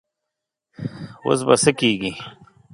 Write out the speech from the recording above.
اوس به څه کيږي؟